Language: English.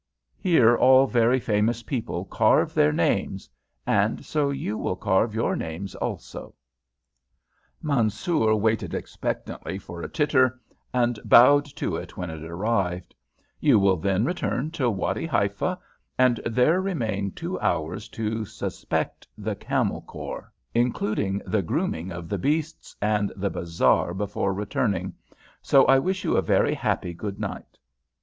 Here all very famous people carve their names, and so you will carve your names also." [Illustration: So you will carve your names also p26] Mansoor waited expectantly for a titter, and bowed to it when it arrived. "You will then return to Wady Haifa, and there remain two hours to suspect (sp.) the Camel Corps, including the grooming of the beasts, and the bazaar before returning, so I wish you a very happy good night."